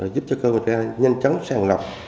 giúp cho cơ quan nhân chấn sàn lập